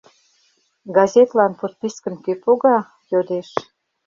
— Газетлан подпискым кӧ пога? — йодеш.